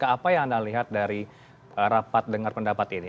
apa yang anda lihat dari rapat dengar pendapat ini